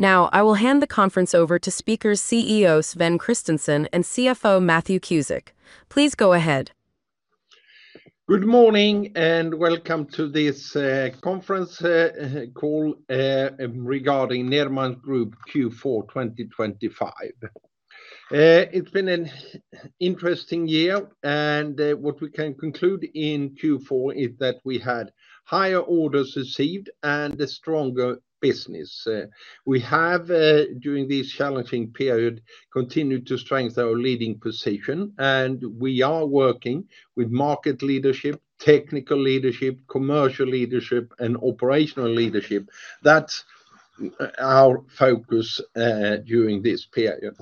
Now, I will hand the conference over to speakers, CEO Sven Kristensson, and CFO Matthew Cusick. Please go ahead. Good morning, and welcome to this conference call regarding Nederman Group Q4 2025. It's been an interesting year, and what we can conclude in Q4 is that we had higher orders received and a stronger business. We have, during this challenging period, continued to strengthen our leading position, and we are working with market leadership, technical leadership, commercial leadership, and operational leadership. That's our focus during this period.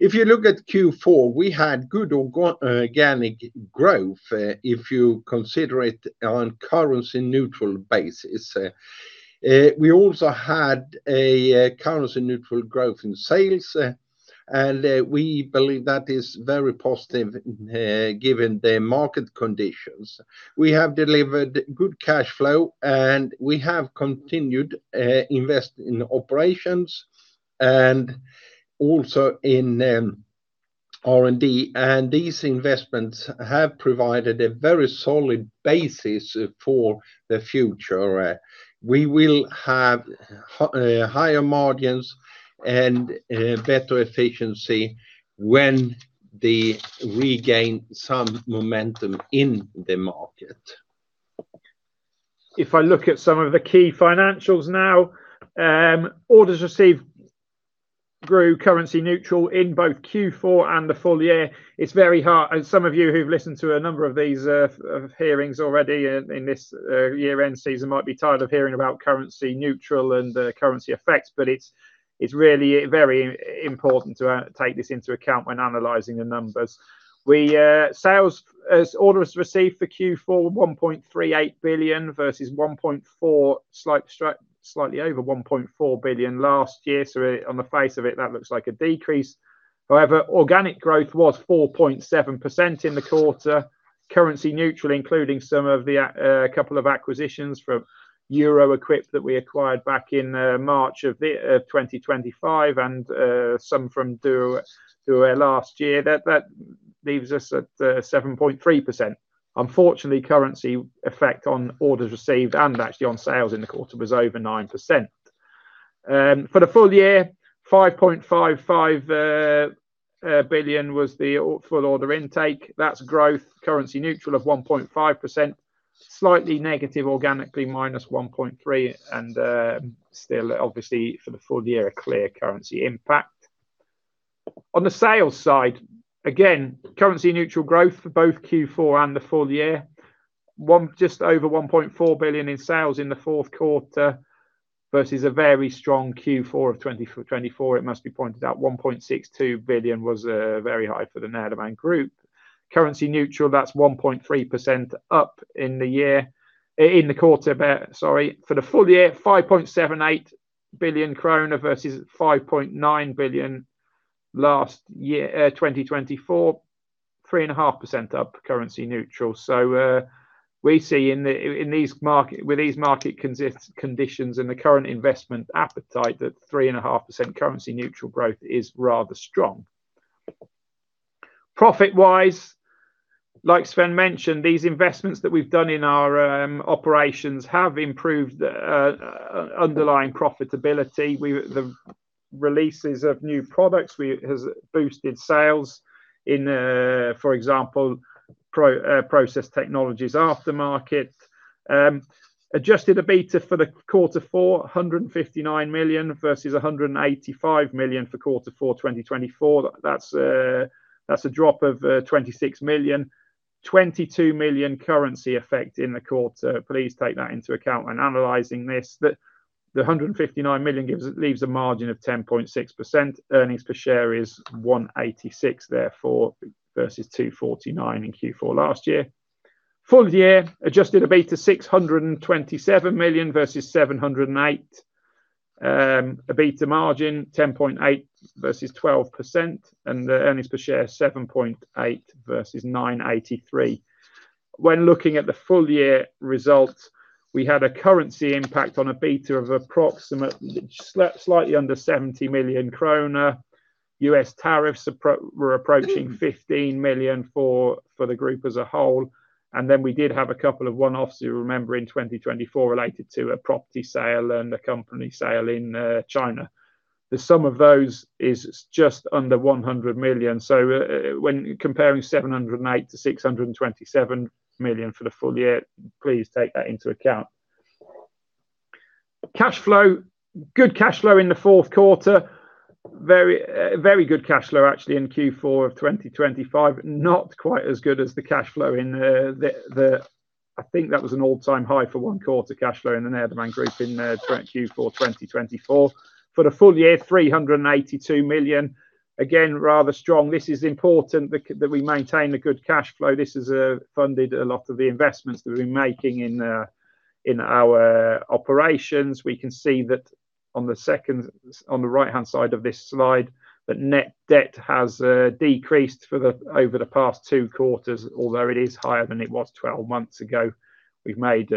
If you look at Q4, we had good organic growth, if you consider it on currency-neutral basis. We also had a currency-neutral growth in sales, and we believe that is very positive, given the market conditions. We have delivered good cash flow, and we have continued invest in operations and also in R&D, and these investments have provided a very solid basis for the future. We will have higher margins and better efficiency when the regain some momentum in the market. If I look at some of the key financials now, orders received grew currency-neutral in both Q4 and the full year. And some of you who've listened to a number of these hearings already in this year-end season might be tired of hearing about currency-neutral and currency effects, but it's really very important to take this into account when analyzing the numbers. Sales as orders received for Q4, 1.38 billion versus over 1.4 billion last year. So on the face of it, that looks like a decrease. However, organic growth was 4.7% in the quarter, currency-neutral, including some of the couple of acquisitions from Euro-Equip that we acquired back in March of 2025 and some from Duo last year. That leaves us at 7.3%. Unfortunately, currency effect on orders received and actually on sales in the quarter was over 9%. For the full year, 5.55 billion was the full order intake. That's growth, currency-neutral of 1.5%, slightly negative, organically -1.3%, and still obviously, for the full year, a clear currency impact. On the sales side, again, currency-neutral growth for both Q4 and the full year. Just over 1.4 billion in sales in the fourth quarter, versus a very strong Q4 of 2024. It must be pointed out, 1.62 billion was very high for the Nederman Group. currency-neutral, that's 1.3% up in the year, in the quarter, sorry. For the full year, 5.78 billion krona versus 5.9 billion last year, 2024, 3.5% up, currency-neutral. So, we see in these markets, with these market conditions and the current investment appetite, that 3.5% currency-neutral growth is rather strong. Profit-wise, like Sven mentioned, these investments that we've done in our operations have improved the underlying profitability. With the releases of new products, which has boosted sales in, for example, Process Technology aftermarket. Adjusted EBITDA for Q4, 159 million versus 185 million for Q4 2024. That's a drop of 26 million. 22 million currency effect in the quarter. Please take that into account when analyzing this. The 159 million leaves a margin of 10.6%. Earnings per share is 1.86 SEK, therefore, versus 2.49 SEK in Q4 last year. Full year, adjusted EBITDA, 627 million versus 708 million. EBITDA margin, 10.8% versus 12%, and the earnings per share, 7.8 `versus 9.83. When looking at the full year results, we had a currency impact on EBITDA of approximately slightly under 70 million krona. U.S. tariffs were approaching 15 million for the group as a whole, and then we did have a couple of one-offs, you remember, in 2024 related to a property sale and a company sale in China. The sum of those is just under 100 million. So, when comparing 708 to 627 million for the full year, please take that into account. Cash flow. Good cash flow in the fourth quarter. Very, very good cash flow, actually, in Q4 of 2025. Not quite as good as the cash flow in the, the. I think that was an all-time high for one quarter cash flow in the Nederman Group in Q4 2024. For the full year, 382 million, again, rather strong. This is important that we maintain a good cash flow. This has funded a lot of the investments that we're making in our operations. We can see that on the second, on the right-hand side of this slide, that net debt has decreased over the past 2 quarters, although it is higher than it was 12 months ago. We've made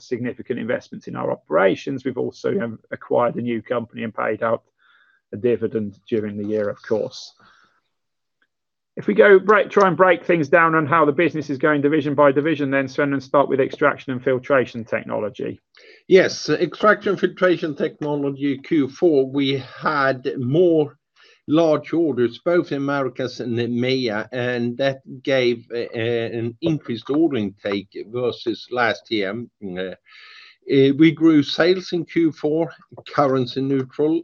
significant investments in our operations. We've also have acquired a new company and paid out a dividend during the year, of course. If we go break, try and break things down on how the business is going division by division, then Sven, let's start with Extraction and Filtration Technology. Yes. Extraction and Filtration Technology, Q4, we had more large orders, both in Americas and in EMEA, and that gave an increased order intake versus last year. We grew sales in Q4, currency-neutral,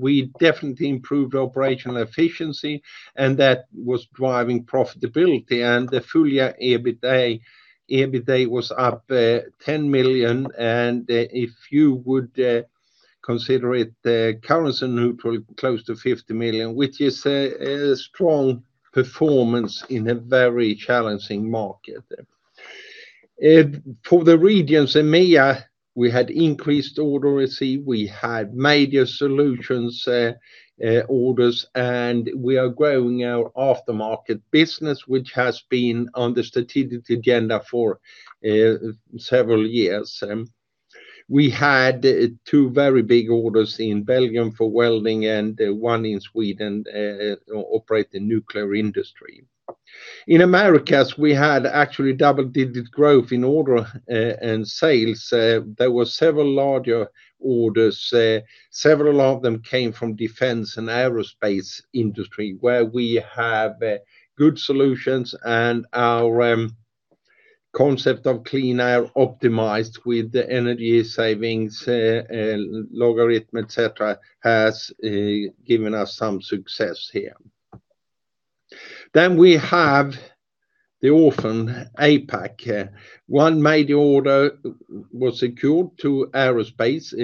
we definitely improved operational efficiency, and that was driving profitability. The full year, EBITDA was up 10 million, and if you would consider it currency-neutral, close to 50 million, which is a strong performance in a very challenging market. For the regions, EMEA, we had increased order receipt, we had major solutions orders, and we are growing our aftermarket business, which has been on the strategic agenda for several years. We had two very big orders in Belgium for welding and one in Sweden operating nuclear industry. In Americas, we had actually double-digit growth in order and sales. There were several larger orders. Several of them came from defense and aerospace industry, where we have good solutions and our concept of Clean Air Optimized with the energy savings and algorithm, et cetera, has given us some success here. We have the often, APAC. One major order was secured to aerospace,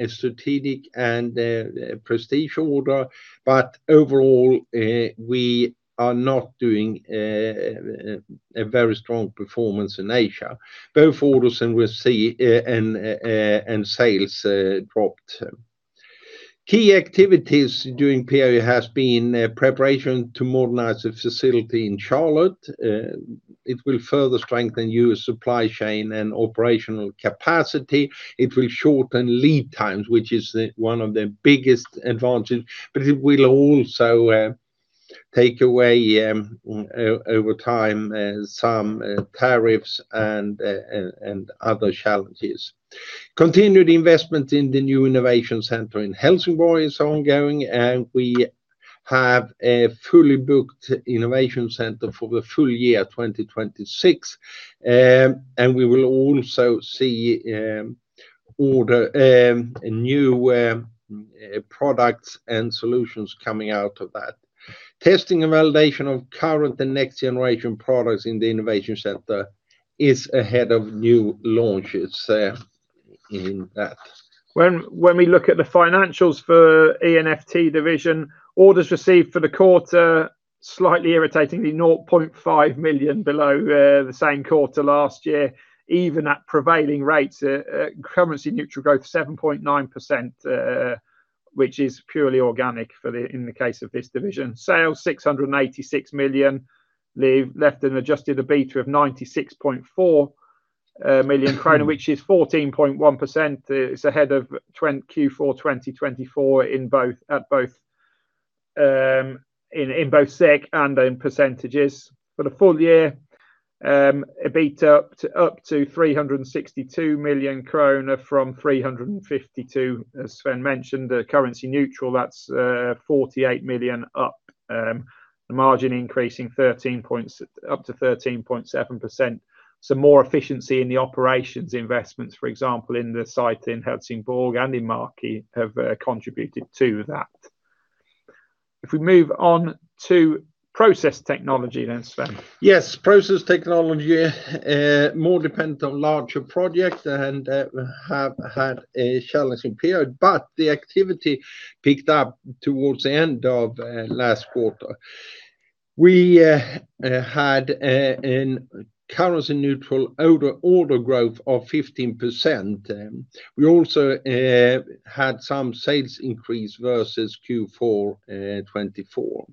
a strategic and a prestige order. Overall, we are not doing a very strong performance in Asia. Both orders received and sales dropped. Key activities during period has been preparation to modernize the facility in Charlotte. It will further strengthen U.S. supply chain and operational capacity. It will shorten lead times, which is the one of the biggest advantage, but it will also take away over time some tariffs and and other challenges. Continued investment in the new innovation center in Helsingborg is ongoing, and we have a fully booked innovation center for the full year, 2026. And we will also see order new products and solutions coming out of that. Testing and validation of current and next generation products in the innovation center is ahead of new launches in that. When we look at the financials for EFT division, orders received for the quarter, slightly irritatingly, 0.5 million below the same quarter last year, even at prevailing rates, currency-neutral growth, 7.9%, which is purely organic for the-- in the case of this division. Sales, 686 million. Left an adjusted EBITDA of 96.4 million krona, which is 14.1%. It's ahead of Q4 2024 in both, at both, in both segment and in percentages. For the full year, EBITDA up to 362 million krona from 352 million. As Sven mentioned, the currency-neutral, that's 48 million up. The margin increasing 13 points, up to 13.7%. Some more efficiency in the operations investments, for example, in the site in Helsingborg and in Markaryd have contributed to that. If we move on to Process Technology then, Sven. Yes. Process Technology, more dependent on larger projects and, have had a challenging period, but the activity picked up towards the end of, last quarter. We, had, a currency-neutral order, order growth of 15%. We also, had some sales increase versus Q4, 2024.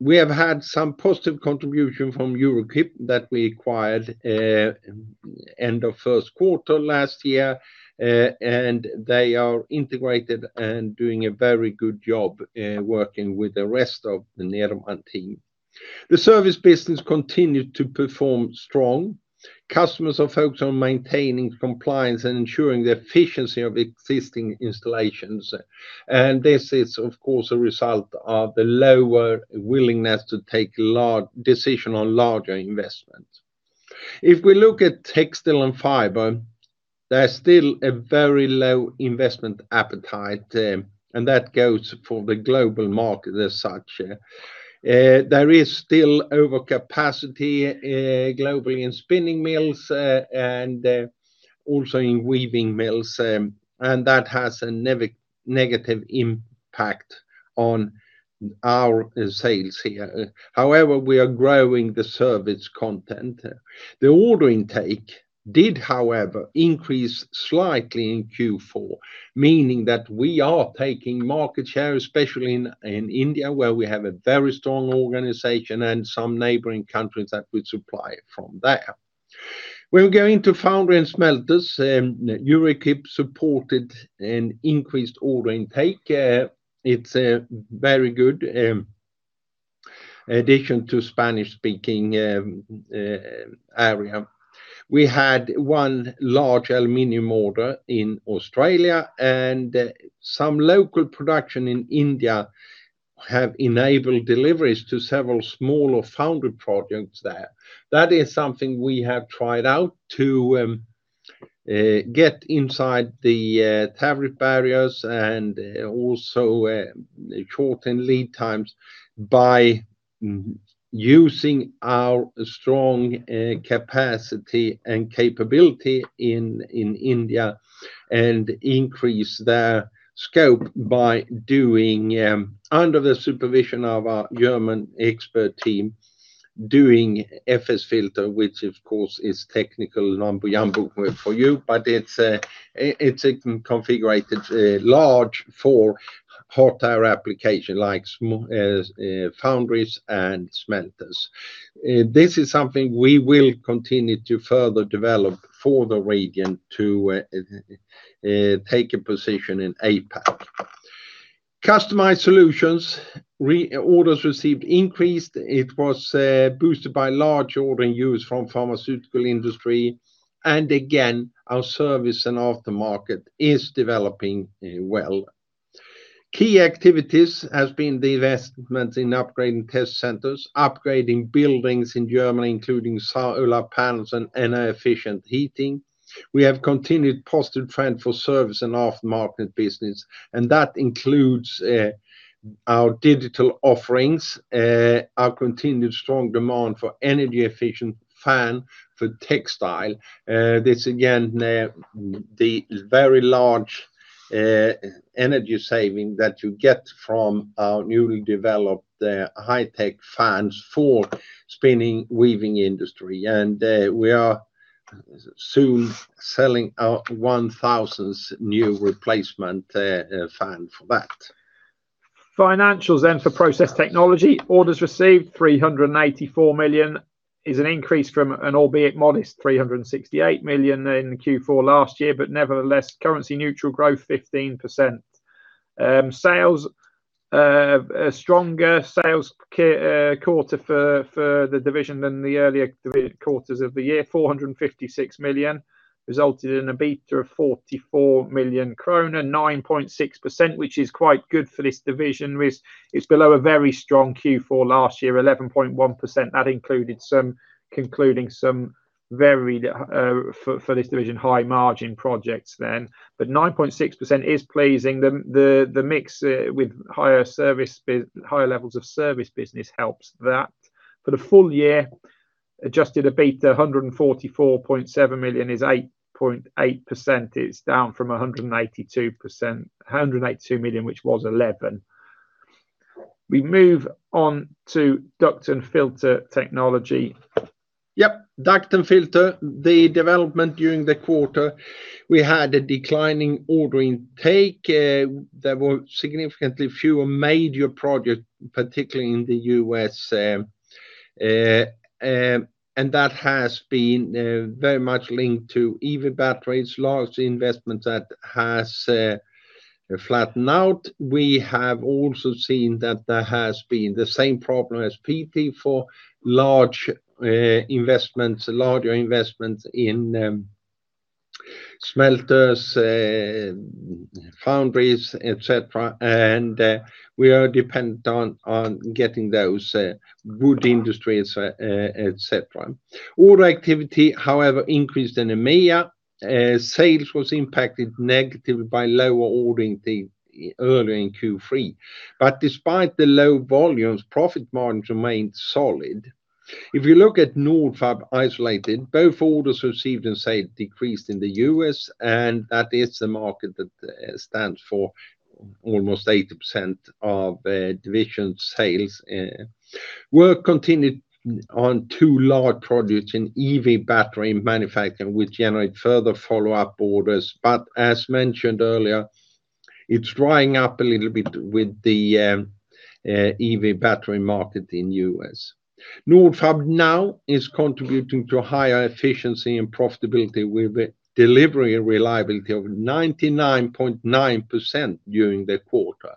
We have had some positive contribution from Euro-Equip that we acquired, end of first quarter last year, and they are integrated and doing a very good job, working with the rest of the Nederman team. The service business continued to perform strong. Customers are focused on maintaining compliance and ensuring the efficiency of existing installations, and this is, of course, a result of the lower willingness to take large decisions on larger investments. If we look at Textile and Fiber, there's still a very low investment appetite, and that goes for the global market as such. There is still overcapacity, globally in spinning mills, and also in weaving mills, and that has a negative impact on our sales here. However, we are growing the service content. The order intake did, however, increase slightly in Q4, meaning that we are taking market share, especially in India, where we have a very strong organization and some neighboring countries that we supply from there. When we go into foundry and smelters, Euro-Equip supported an increased order intake. It's a very good addition to Spanish-speaking area. We had one large aluminum order in Australia, and some local production in India have enabled deliveries to several smaller foundry projects there. That is something we have tried out to get inside the tariff barriers and also shorten lead times by using our strong capacity and capability in India, and increase their scope by doing, under the supervision of our German expert team, doing FS filter, which of course is technical jumble for you, but it's a configured large for hot air application like small foundries and smelters. This is something we will continue to further develop for the region to take a position in APAC. Customized solutions, reorders received increased. It was boosted by large order in U.S. from pharmaceutical industry, and again, our service and aftermarket is developing well. Key activities has been the investment in upgrading test centers, upgrading buildings in Germany, including solar panels and energy efficient heating. We have continued positive trend for service and aftermarket business, and that includes, our digital offerings, our continued strong demand for energy efficient fan for textile. This again, the very large, energy saving that you get from our newly developed, high-tech fans for spinning, weaving industry. We are soon selling our 1,000th new replacement fan for that. Financials then for Process Technology. Orders received, 384 million is an increase from an albeit modest 368 million in Q4 last year, but nevertheless, currency-neutral growth 15%. Sales, a stronger sales quarter for the division than the earlier quarters of the year. 456 million resulted in an Adjusted EBITDA of 44 million kronor, 9.6%, which is quite good for this division, which is below a very strong Q4 last year, 11.1%. That included some concluding some very for this division high margin projects then. But 9.6% is pleasing. The mix with higher levels of service business helps that. For the full year, Adjusted EBITDA, 144.7 million is 8.8%. It's down from 182%—182 million, which was 11. We move on to Duct and Filter Technology. Yep. Duct and Filter, the development during the quarter, we had a declining order intake. There were significantly fewer major projects, particularly in the US, and that has been very much linked to EV batteries, large investments that has flattened out. We have also seen that there has been the same problem as PT for large investments, larger investments in smelters, foundries, et cetera, and we are dependent on getting those wood industries, et cetera. Order activity, however, increased in EMEA. Sales was impacted negatively by lower ordering earlier in Q3. But despite the low volumes, profit margins remained solid. If you look at Nordfab isolated, both orders received and sales decreased in the US, and that is the market that stands for almost 80% of the division sales. Work continued on two large projects in EV battery manufacturing, which generate further follow-up orders, but as mentioned earlier, it's drying up a little bit with the EV battery market in U.S. Nordfab Now is contributing to higher efficiency and profitability, with a delivery reliability of 99.9% during the quarter.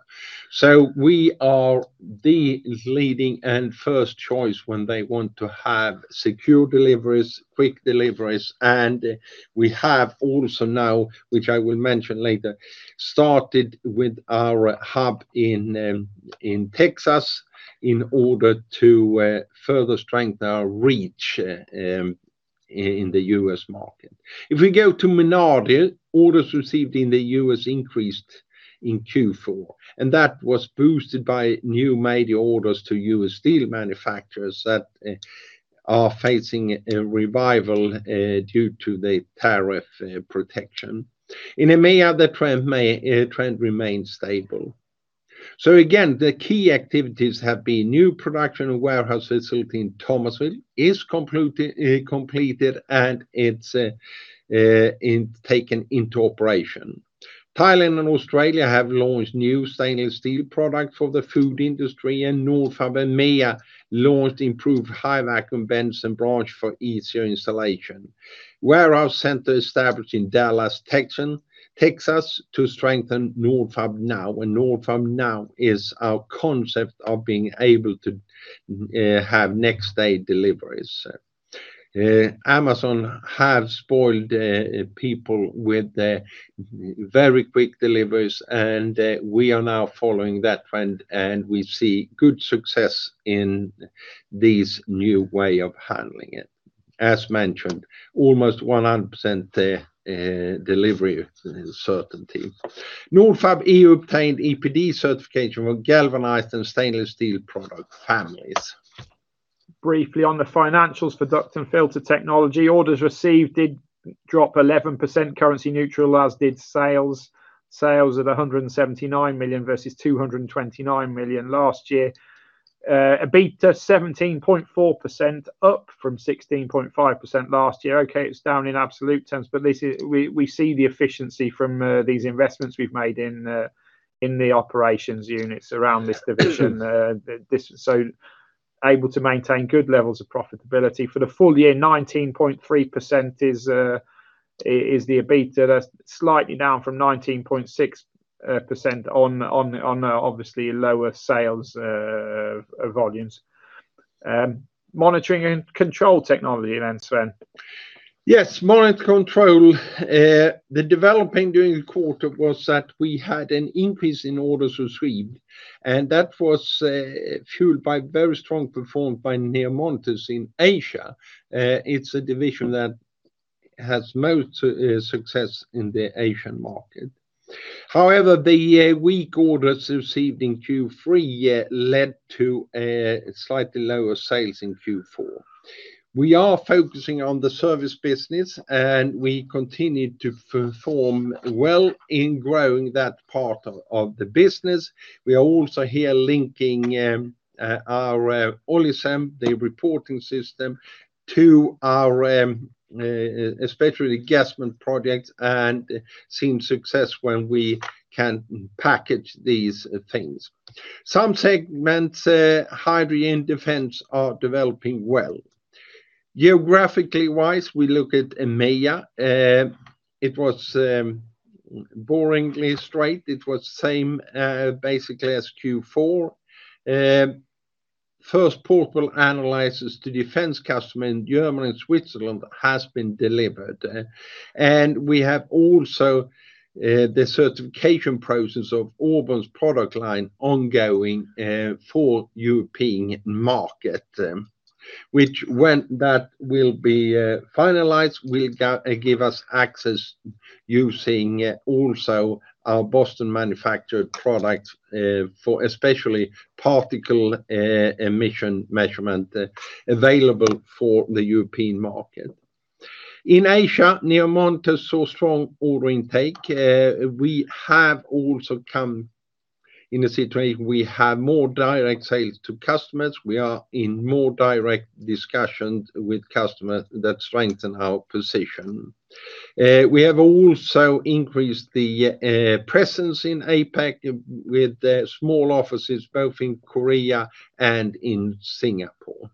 So we are the leading and first choice when they want to have secure deliveries, quick deliveries, and we have also now, which I will mention later, started with our hub in Texas in order to further strengthen our reach in the U.S. market. If we go to Menardi, orders received in the U.S. increased in Q4, and that was boosted by new major orders to U.S. steel manufacturers that are facing a revival due to the tariff protection. In EMEA, the trend remained stable. So again, the key activities have been new production and warehouse facility in Thomasville is completed, and it's now taken into operation. Thailand and Australia have launched new stainless steel products for the food industry, and Nordfab EMEA launched improved high vacuum vents and branch for easier installation. Warehouse center established in Dallas, Texas to strengthen Nordfab Now, and Nordfab Now is our concept of being able to have next day deliveries. Amazon have spoiled people with their very quick deliveries, and we are now following that trend, and we see good success in this new way of handling it. As mentioned, almost 100% delivery certainty. Nordfab EU obtained EPD certification for galvanized and stainless steel product families. Briefly, on the financials for Duct and Filter Technology, orders received did drop 11% currency-neutral, as did sales. Sales of 179 million versus 229 million last year. EBITDA 17.4%, up from 16.5% last year. Okay, it's down in absolute terms, but this is—we see the efficiency from these investments we've made in the operations units around this division. This, so able to maintain good levels of profitability. For the full year, 19.3% is the EBITDA. That's slightly down from 19.6% on obviously lower sales volumes. Monitoring and Control Technology then, Sven. Yes. Monitoring and Control, the developing during the quarter was that we had an increase in orders received, and that was fueled by very strong performance by NEO Monitors in Asia. It's a division that has most success in the Asian market. However, the weak orders received in Q3 led to a slightly lower sales in Q4. We are focusing on the service business, and we continue to perform well in growing that part of the business. We are also here linking our Olicem, the reporting system, to our especially Gasmet projects, and seeing success when we can package these things. Some segments, Hygiene and Defense, are developing well. Geographically wise, we look at EMEA. It was boringly straight. It was same basically as Q4. First portable analysis to defense customer in Germany and Switzerland has been delivered. We have also the certification process of Auburn's product line ongoing for European market, which when that will be finalized, will give us access using also our Boston manufactured products for especially particle emission measurement available for the European market. In asia, NEO Monitors saw strong order intake. We have also come in a situation we have more direct sales to customers. We are in more direct discussions with customers that strengthen our position. We have also increased the presence in APAC with small offices both in South Korea and in Singapore.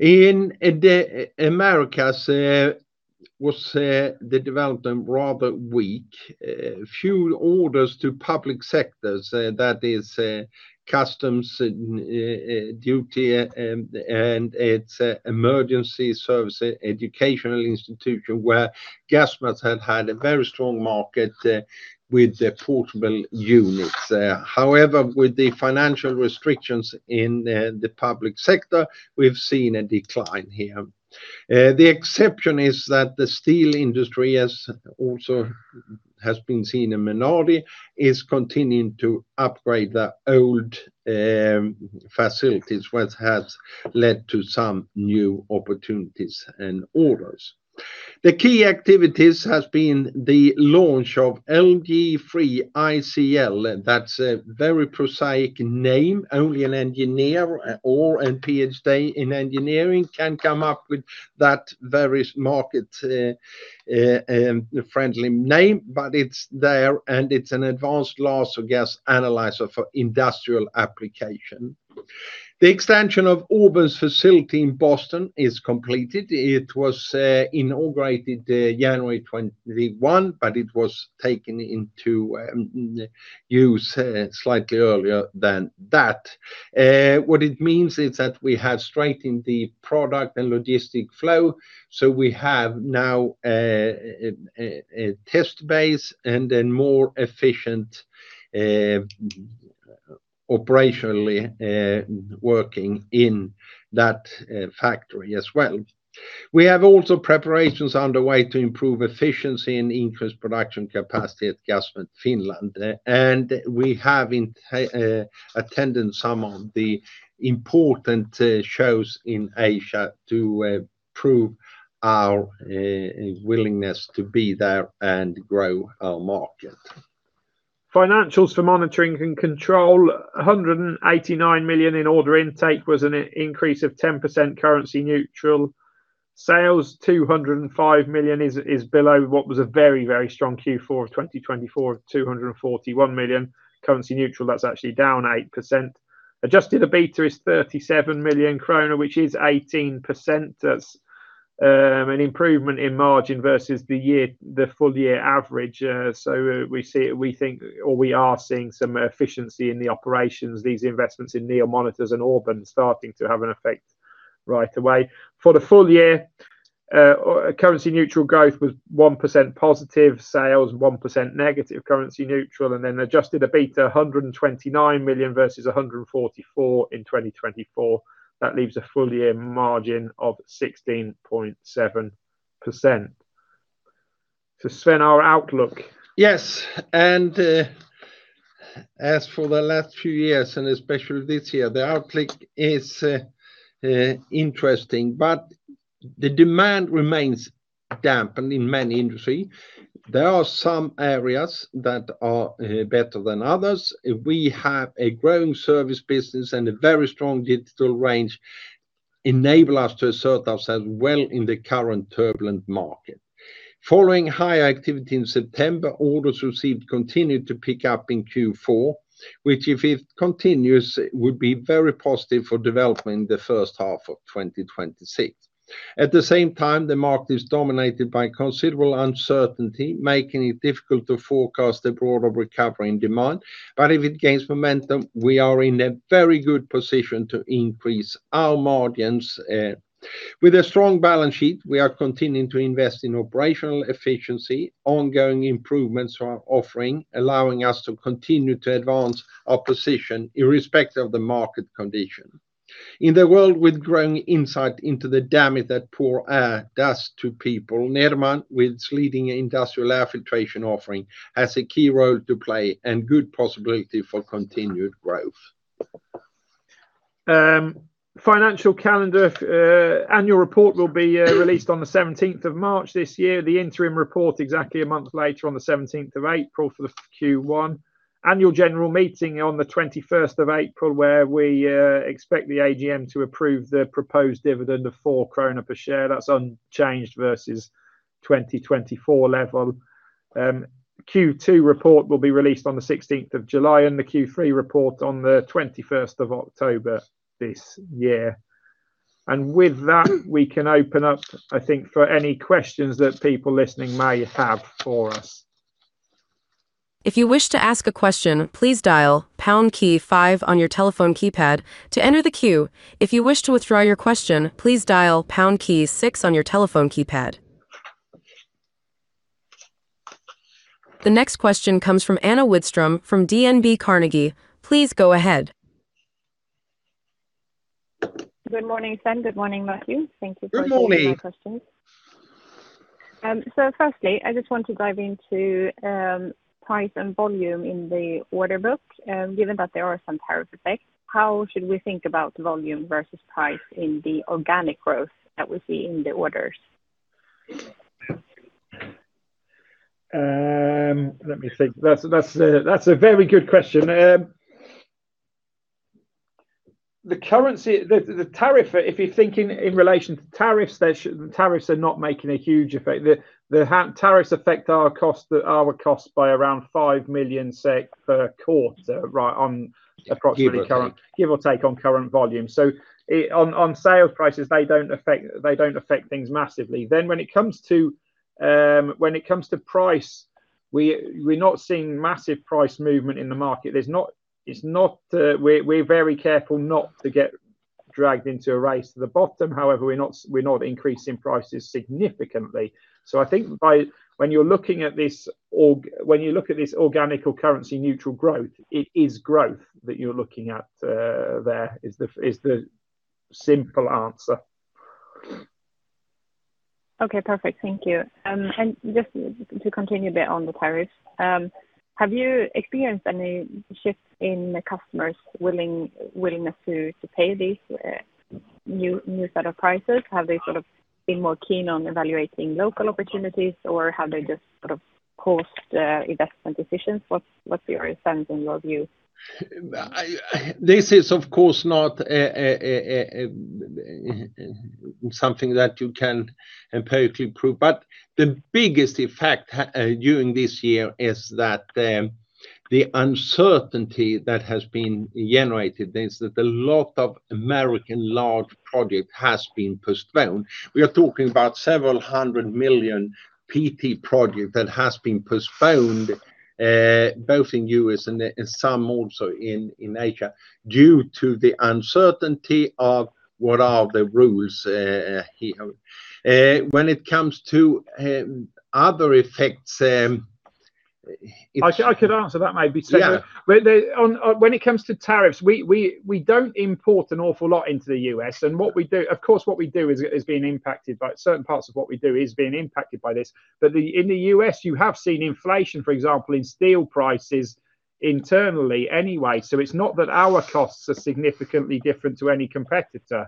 In the Americas, was the development rather weak. Few orders to public sectors, that is, customs duty, and it's emergency service, educational institution, where Gasmet had had a very strong market with the portable units. However, with the financial restrictions in the public sector, we've seen a decline here. The exception is that the steel industry, as also has been seen in Menardi, is continuing to upgrade the old facilities, which has led to some new opportunities and orders. The key activities has been the launch of LaserGas III ICL. That's a very prosaic name. Only an engineer or a PhD in engineering can come up with that very market friendly name, but it's there, and it's an advanced laser gas analyzer for industrial application. The extension of Auburn's facility in Boston is completed. It was inaugurated January 21, but it was taken into use slightly earlier than that. What it means is that we have strengthened the product and logistic flow, so we have now a test base and a more efficient operationally working in that factory as well. We have also preparations underway to improve efficiency and increase production capacity at Gasmet Finland, and we have attended some of the important shows in Asia to prove our willingness to be there and grow our market. Financials for Monitoring and Control, 189 million in order intake was an increase of 10% currency-neutral. Sales 205 million is below what was a very, very strong Q4 of 2024, 241 million. currency-neutral, that's actually down 8%. Adjusted EBITDA is 37 million kronor, which is 18%. That's an improvement in margin versus the year, the full year average. So we see, we think or we are seeing some efficiency in the operations, these investments in NEO Monitor and Auburn starting to have an effect right away. For the full year, currency-neutral growth was 1% positive, sales 1% negative, currency-neutral, and then adjusted EBITDA 129 million versus 144 million in 2024. That leaves a full year margin of 16.7%. Sven, our outlook? Yes, and as for the last few years, and especially this year, the outlook is interesting, but the demand remains dampened in many industry. There are some areas that are better than others. We have a growing service business and a very strong digital range, enable us to assert ourselves well in the current turbulent market. Following high activity in September, orders received continued to pick up in Q4, which, if it continues, would be very positive for development in the first half of 2026. At the same time, the market is dominated by considerable uncertainty, making it difficult to forecast a broader recovery in demand. But if it gains momentum, we are in a very good position to increase our margins. With a strong balance sheet, we are continuing to invest in operational efficiency, ongoing improvements to our offering, allowing us to continue to advance our position irrespective of the market condition. In the world with growing insight into the damage that poor air does to people, Nederman, with leading industrial air filtration offering, has a key role to play and good possibility for continued growth. Financial calendar, annual report will be released on the 17th of March this year. The interim report, exactly a month later on the 17th of April for the Q1. Annual general meeting on the 21st of April, where we expect the AGM to approve the proposed dividend of 4 krona per share. That's unchanged versus 2024 level. Q2 report will be released on the 16th of July, and the Q3 report on the 21st of October this year. And with that, we can open up, I think, for any questions that people listening may have for us. If you wish to ask a question, please dial #5 on your telephone keypad to enter the queue. If you wish to withdraw your question, please dial #6 on your telephone keypad. The next question comes from Anna Widström from DNB Carnegie. Please go ahead. Good morning, Sven. Good morning, Matthew. Thank you for- Good morning -taking my questions. So firstly, I just want to dive into price and volume in the order book. Given that there are some tariff effects, how should we think about volume versus price in the organic growth that we see in the orders? Let me think. That's a very good question. The currency. The tariff, if you're thinking in relation to tariffs, they should—tariffs are not making a huge effect. The tariffs affect our costs by around 5 million SEK per quarter, right on approximately- Current. Give or take on current volume. So it on sales prices, they don't affect, they don't affect things massively. Then when it comes to, when it comes to price, we, we're not seeing massive price movement in the market. There's not—It's not, we're, we're very careful not to get dragged into a race to the bottom. However, we're not, we're not increasing prices significantly. So I think by when you're looking at this, when you look at this organic or currency-neutral growth, it is growth that you're looking at, there, is the, is the simple answer. Okay, perfect. Thank you. And just to continue a bit on the tariff, have you experienced any shifts in the customers' willingness to pay these new set of prices? Have they sort of been more keen on evaluating local opportunities, or have they just sort of paused investment decisions? What's your sense in your view? This is, of course, not something that you can empirically prove, but the biggest effect during this year is that the uncertainty that has been generated is that a lot of American large project has been postponed. We are talking about several hundred million SEK PT project that has been postponed both in U.S. and some also in Asia, due to the uncertainty of what are the rules here. When it comes to other effects, it's- I could answer that maybe. Yeah. When it comes to tariffs, we don't import an awful lot into the U.S. And what we do—Of course, what we do has been impacted, but certain parts of what we do is being impacted by this. But in the U.S., you have seen inflation, for example, in steel prices internally anyway. So it's not that our costs are significantly different to any competitor.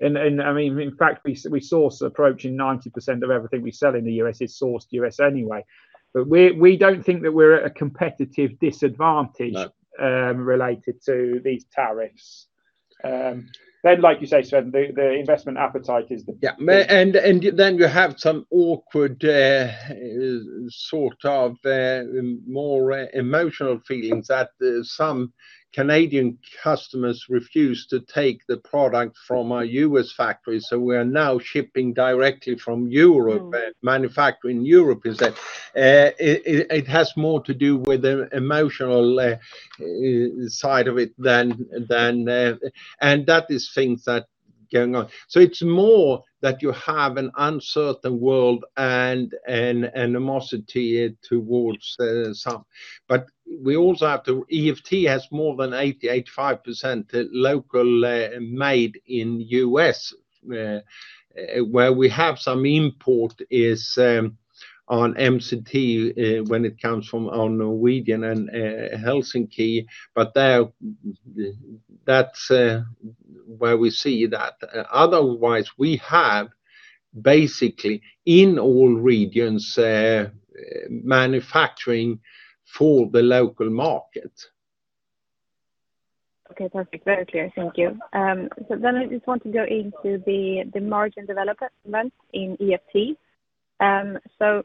And I mean, in fact, we source approaching 90% of everything we sell in the U.S. is sourced U.S. anyway. But we don't think that we're at a competitive disadvantage. No... related to these tariffs. Then, like you say, Sven, the investment appetite is the- Yeah. And then you have some awkward, sort of, more emotional feelings that some Canadian customers refuse to take the product from our U.S. factory, so we are now shipping directly from Europe. Mm. Manufacturing Europe is that it has more to do with the emotional side of it than that. And that is things that going on. So it's more that you have an uncertain world and an animosity towards some. But we also have to. EFT has more than 85% local made in U.S. Where we have some import is on MCT when it comes from Norway and Helsinki, but there that's where we see that. Otherwise, we have basically in all regions manufacturing for the local market. Okay, perfect. Very clear. Thank you. So then I just want to go into the margin development in EFT. So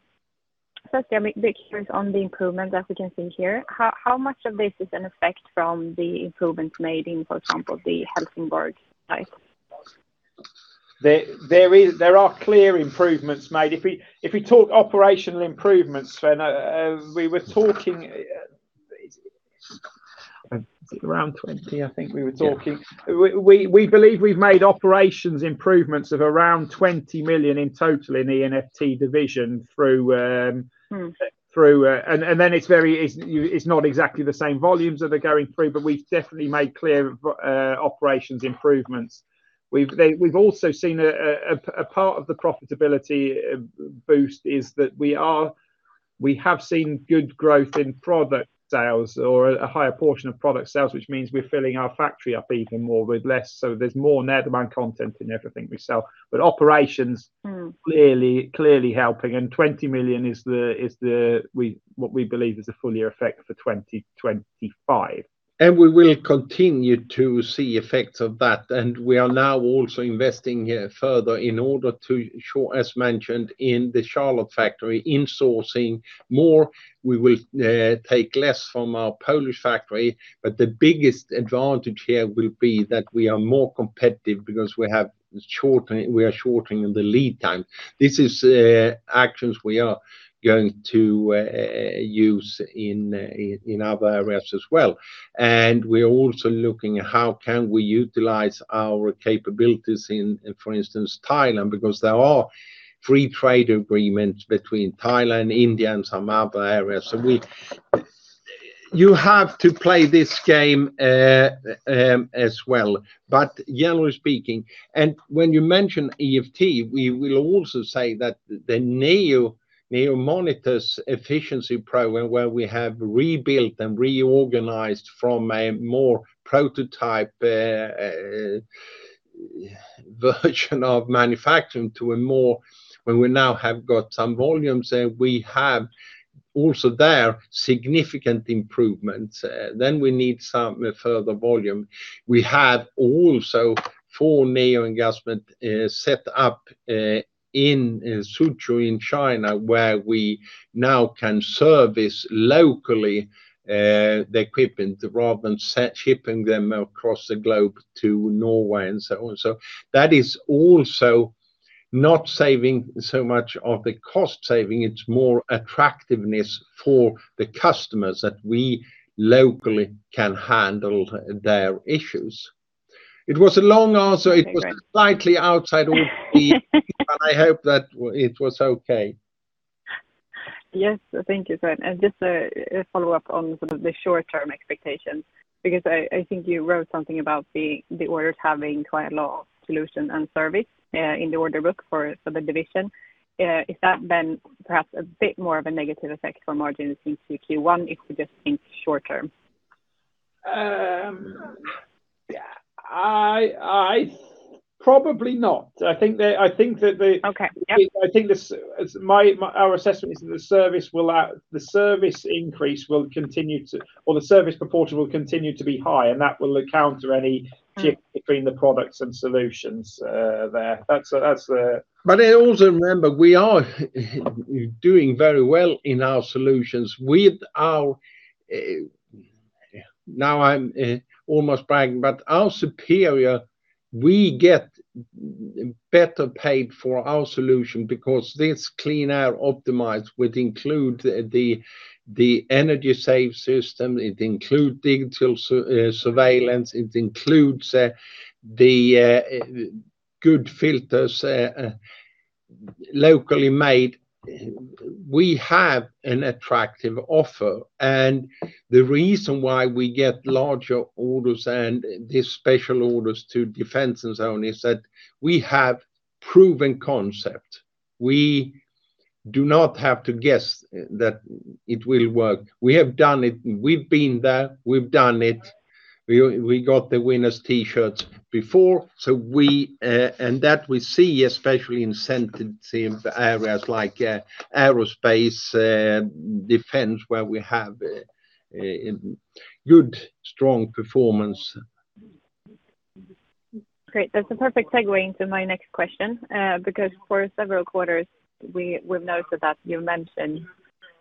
first, I'm big curious on the improvement that we can see here. How much of this is an effect from the improvements made in, for example, the Helsingborg site? There are clear improvements made. If we talk operational improvements, Sven, we were talking around 20, I think we were talking. Yeah. We believe we've made operations improvements of around 20 million in total in the EFT division through Mm... through, and then it's very, it's not exactly the same volumes that are going through, but we've definitely made clear operations improvements. We've also seen a part of the profitability boost is that we have seen good growth in product sales or a higher portion of product sales, which means we're filling our factory up even more with less. So there's more net demand content in everything we sell. But operations- Mm. Clearly helping, and 20 million is what we believe is a full year effect for 2025. We will continue to see effects of that. We are now also investing further in order to show, as mentioned, in the Charlotte factory, insourcing more, we will take less from our Polish factory. But the biggest advantage here will be that we are more competitive because we have shortening, we are shortening the lead time. This is actions we are going to use in other areas as well. We are also looking at how can we utilize our capabilities in, for instance, Thailand, because there are free trade agreements between Thailand, India, and some other areas. So we. You have to play this game as well. But generally speaking, and when you mention EFT, we will also say that the NEO Monitors efficiency program, where we have rebuilt and reorganized from a more prototype version of manufacturing to a more, where we now have got some volumes, and we have also there, significant improvements. Then we need some further volume. We have also four Neo engagement set up in Suzhou, in China, where we now can service locally the equipment rather than sending, shipping them across the globe to Norway and so on. So that is also not saving so much of the cost saving; it's more attractiveness for the customers that we locally can handle their issues. It was a long answer. Okay, great. It was slightly outside of and I hope that it was okay. Yes. Thank you, Sven. And just a follow-up on sort of the short-term expectations, because I think you wrote something about the orders having quite a lot of solution and service in the order book for the division. Is that then perhaps a bit more of a negative effect for margin since the Q1, if we just think short term? Probably not. I think that the- Okay. Yeah. I think this, our assessment is that the service increase will continue to, or the service proportion will continue to be high, and that will counter any shift between the products and solutions, there. That's, that's the- But also remember, we are doing very well in our solutions with our, now I'm almost bragging, but our superior, we get better paid for our solution because this Clean Air Optimized, which includes the energy save system, it includes digital surveillance, it includes the good filters, locally made. We have an attractive offer, and the reason why we get larger orders and these special orders to defense zone is that we have proven concept. We do not have to guess that it will work. We have done it. We've been there, we've done it. We got the winners T-shirts before, so we, and that we see, especially in sensitive areas like aerospace in defense where we have a good, strong performance. Great. That's a perfect segue into my next question, because for several quarters, we, we've noticed that you've mentioned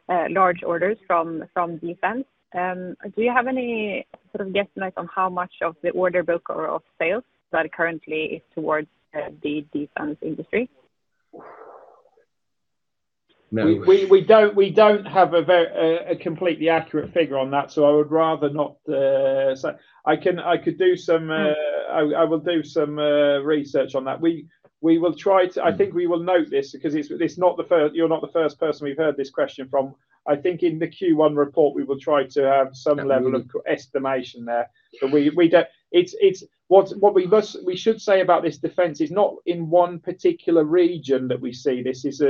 large orders from, from defense. Do you have any sort of guesstimate on how much of the order book or of sales that currently is towards the defense industry? No. We don't have a completely accurate figure on that, so I would rather not say. I will do some research on that. We will try to. I think we will note this because it's not the first; you're not the first person we've heard this question from. I think in the Q1 report, we will try to have some level- Absolutely... of estimation there. But we don't... It's what we should say about this defense, it's not in one particular region that we see this. It's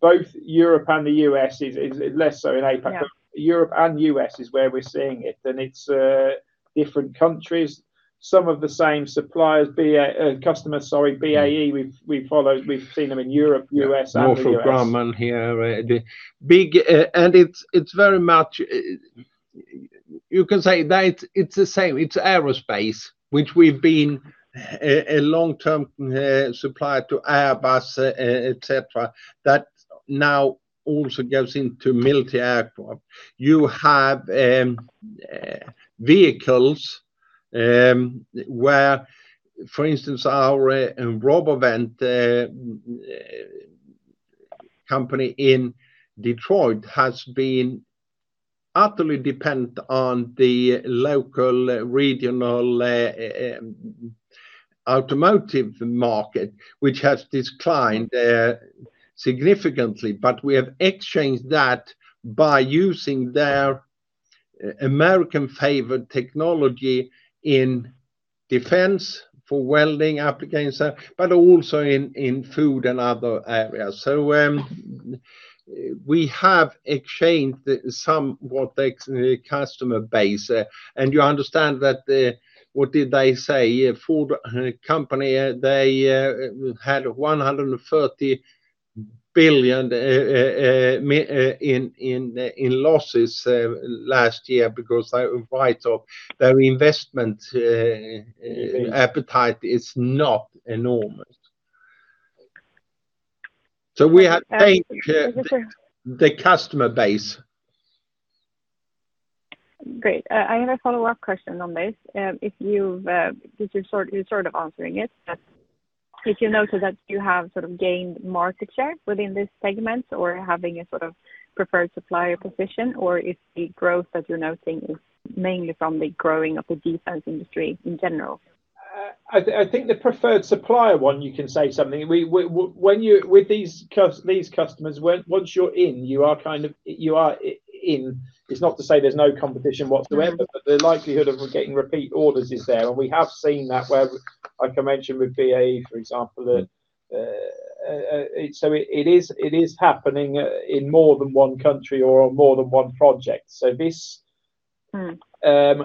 both Europe and the U.S., is less so in APAC. Yeah. Europe and U.S. is where we're seeing it, and it's different countries. Some of the same suppliers, BA, customers, sorry, BAE, we've followed. We've seen them in Europe, U.S., and the U.S. Northrop Grumman here, the big, and it's, it's very much, you can say that it's the same. It's aerospace, which we've been a, a long-term, supplier to Airbus, et cetera. That now also goes into military aircraft. You have, vehicles, where, for instance, our, RoboVent, company in Detroit has been utterly dependent on the local, regional, automotive market, which has declined, significantly. But we have exchanged that by using their American-favored technology in defense for welding applications, but also in, in food and other areas. So, we have exchanged somewhat the, the customer base, and you understand that, what did they say? A food company, they, had $130 billion in losses last year because they write off. Their investment appetite is not enormous. So we have thanked the customer base. Great. I have a follow-up question on this. If you've, because you're sort of answering it, but if you noted that you have sort of gained market share within this segment, or having a sort of preferred supplier position, or if the growth, as you're noting, is mainly from the growing of the defense industry in general? I think the preferred supplier one, you can say something. With these customers, once you're in, you are kind of in. It's not to say there's no competition whatsoever, but the likelihood of getting repeat orders is there, and we have seen that, like I mentioned, with BAE, for example, that so it is happening in more than one country or on more than one project. So this- Mm-hmm...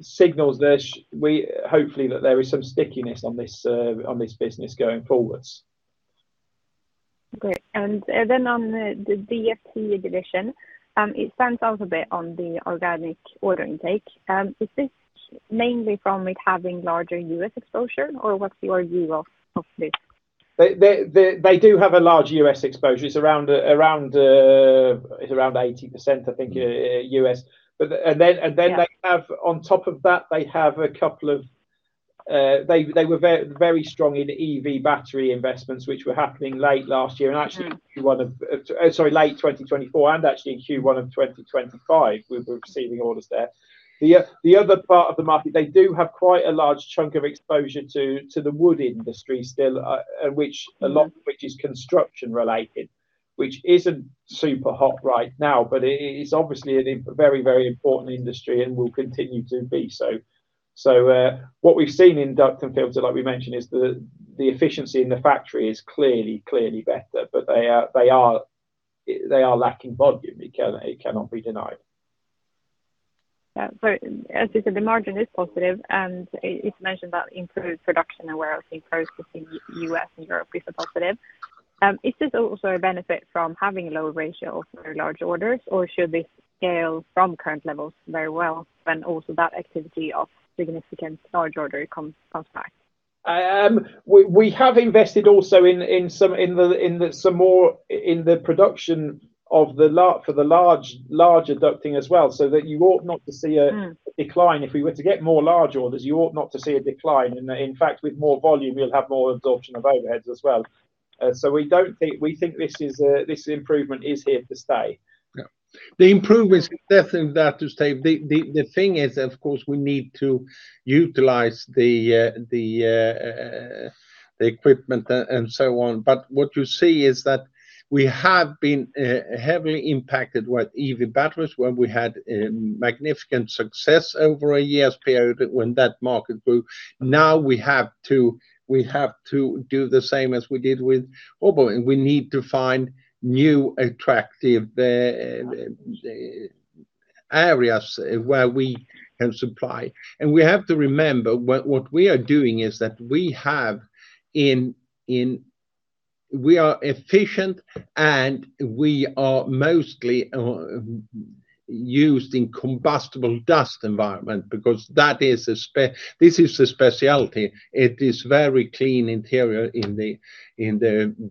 signals that we hopefully, that there is some stickiness on this, on this business going forward. Great. And then on the DFT division, it stands out a bit on the organic order intake. Is this mainly from it having larger U.S. exposure, or what's your view of this? They do have a large U.S. exposure. It's around, it's around 80%, I think, U.S. But and then, and then- Yeah... they have on top of that, they have a couple of, they, they were very, very strong in EV battery investments, which were happening late last year. Mm-hmm... and actually, Q1 of, sorry, late 2024, and actually in Q1 of 2025, we're receiving orders there. The other part of the market, they do have quite a large chunk of exposure to the wood industry still, which a lot- Mm-hmm... which is construction related, which isn't super hot right now, but it's obviously a very, very important industry and will continue to be so. So, what we've seen in Duct and Filter, like we mentioned, is the efficiency in the factory is clearly better, but they are lacking volume. It cannot be denied. Yeah. So as you said, the margin is positive, and it's mentioned that improved production and warehousing processing U.S. and Europe is a positive. Is this also a benefit from having a lower ratio of very large orders, or should they scale from current levels very well when also that activity of significant large order comes back? We have invested also in some more in the production of the large ducting as well, so that you ought not to see a- Mm-hmm... decline. If we were to get more large orders, you ought not to see a decline. And in fact, with more volume, you'll have more absorption of overheads as well. So we don't think—we think this is, this improvement is here to stay. Yeah. The improvement is definitely there to stay. The thing is, of course, we need to utilize the equipment and so on. But what you see is that we have been heavily impacted with EV batteries, where we had a magnificent success over a year's period when that market grew. Now, we have to do the same as we did with mobile, and we need to find new, attractive areas where we can supply. And we have to remember what we are doing is that we are efficient, and we are mostly used in combustible dust environment because that is a specialty. This is a specialty. It is very clean interior in the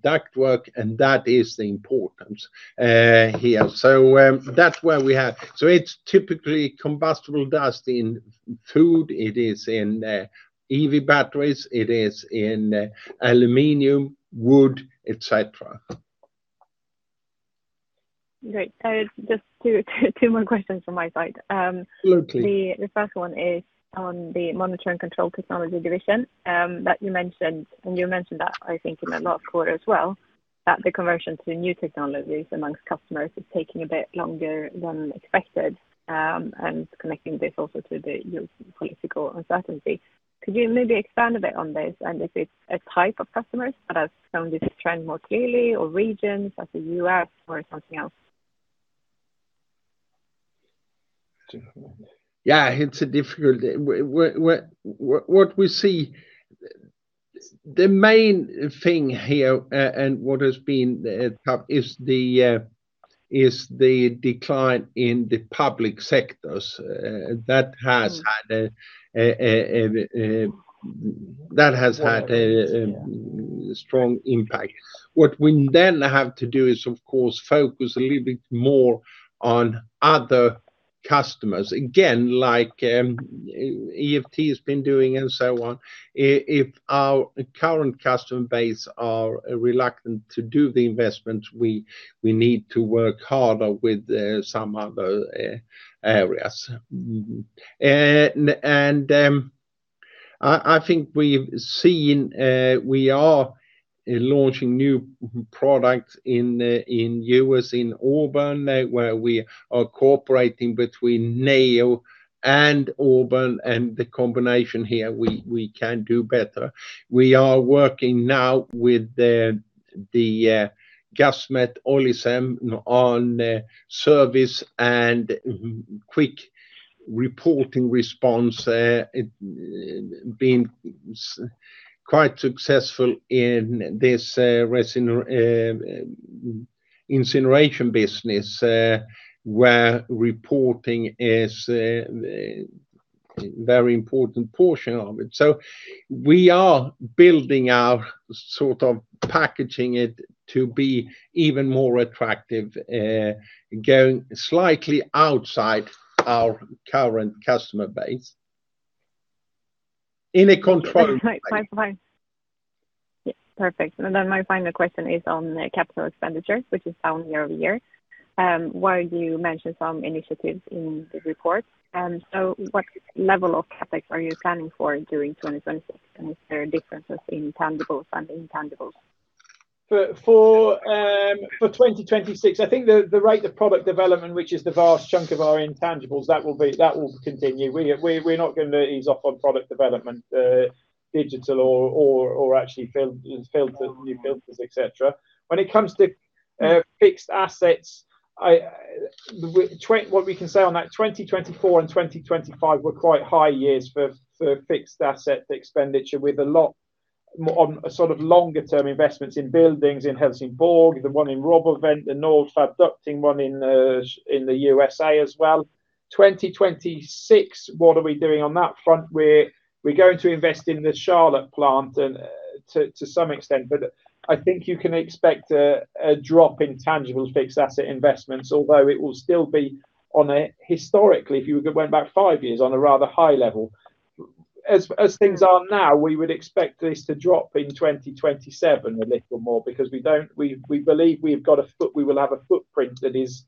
ductwork, and that is the importance here. So, that's where we have. It's typically combustible dust in food, it is in EV batteries, it is in aluminum, wood, et cetera. Great. So just two more questions from my side. Yeah, please. The first one is on the Monitoring and Control Technology division, that you mentioned, and you mentioned that, I think, in the last quarter as well, that the conversion to new technologies among customers is taking a bit longer than expected, and connecting this also to the political uncertainty. Could you maybe expand a bit on this, and if it's a type of customers that have shown this trend more clearly or regions, like the U.S. or something else? Yeah, it's a difficult... what we see, the main thing here, and what has been top is the decline in the public sectors. That has had- Mm. that has had a strong impact. What we then have to do is, of course, focus a little bit more on other customers. Again, like, EFT has been doing and so on, if our current customer base are reluctant to do the investment, we need to work harder with some other areas. And I think we've seen we are launching new products in the U.S., in Auburn, where we are cooperating between Neo and Auburn, and the combination here, we can do better. We are working now with the Gasmet Olicem on service and quick reporting response. It been quite successful in this resin incineration business, where reporting is a very important portion of it. So we are building out, sort of packaging it to be even more attractive, going slightly outside our current customer base in a controlled way. Right. Fine. Yeah, perfect. And then my final question is on the capital expenditures, which is down year-over-year. While you mentioned some initiatives in the report, so what level of CapEx are you planning for during 2026? And is there differences in tangibles and intangibles? For 2026, I think the rate of product development, which is the vast chunk of our intangibles, that will continue. We're not gonna ease off on product development, digital or actually filter, new filters, et cetera. When it comes to fixed assets, what we can say on that, 2024 and 2025 were quite high years for fixed asset expenditure, with a lot more on sort of longer term investments in buildings in Helsingborg, the one in RoboVent, the Nordfab ducting one in the USA as well. 2026, what are we doing on that front? We're going to invest in the Charlotte plant and, to some extent, but I think you can expect a drop in tangible fixed asset investments, although it will still be on a historically, if you went back five years, on a rather high level. As things are now, we would expect this to drop in 2027 a little more because we believe we will have a footprint that is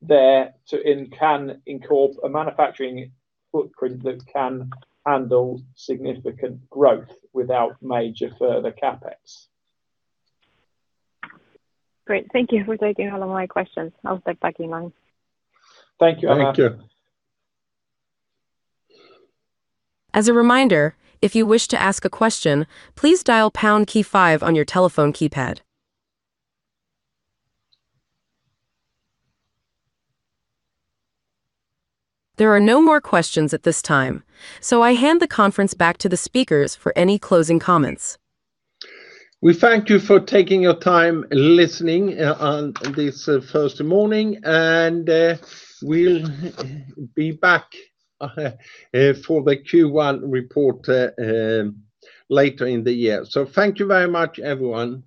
there to, and can incorporate a manufacturing footprint that can handle significant growth without major further CapEx. Great. Thank you for taking all of my questions. I'll step back in line. Thank you. Thank you. As a reminder, if you wish to ask a question, please dial pound key five on your telephone keypad. There are no more questions at this time, so I hand the conference back to the speakers for any closing comments. We thank you for taking your time listening on this Thursday morning, and we'll be back for the Q1 report later in the year. So thank you very much, everyone.